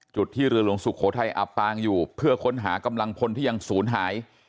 จุดที่เรือหลวงสุโขทัยอับปางอยู่เพื่อค้นหากำลังพลที่ยังศูนย์หาย